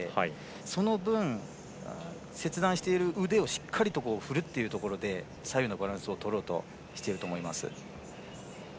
その分、切断している腕をしっかりと振るというところで左右のバランスをとろうとしていると思います。